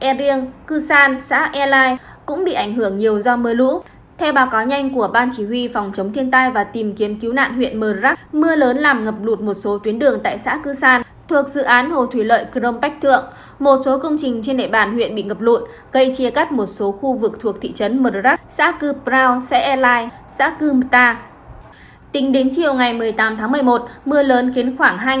trước tình hình đó ban chỉ huy phòng chống thiên tai và tìm kiếm cứu nạn thị trấn mờ rắc đã huy động đội phản ứng nhanh gồm dân quân tự vệ tổ dân phố phối hợp cùng thanh niên xung kích tại cơ sở hỗ trợ người dân và tài sản đến nơi an toàn